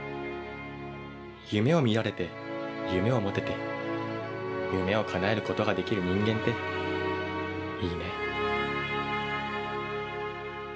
夢を見られて夢を持てて夢をかなえることができるニンゲンっていいね。